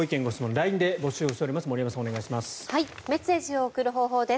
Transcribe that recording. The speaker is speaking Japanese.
ＬＩＮＥで募集しています。